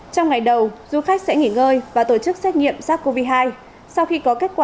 trong ngày đầu du khách sẽ nghỉ ngơi